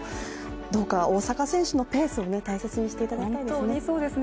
どうか大坂選手のペースを大切にしていただきたいですね。